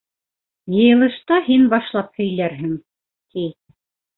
«Йыйылышта һин башлап һөйләрһең!» - ти.